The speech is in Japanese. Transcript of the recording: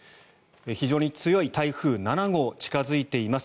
非常に強い台風７号近付いています。